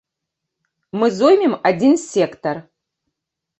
Мы зоймем адзін сектар.